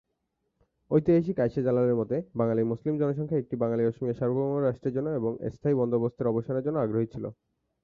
ঐতিহাসিক আয়েশা জালালের মতে, বাঙালি মুসলিম জনসংখ্যা একটি বাঙালি-অসমীয়া সার্বভৌম রাষ্ট্রের জন্য এবং স্থায়ী বন্দোবস্তের অবসানের জন্য আগ্রহী ছিল।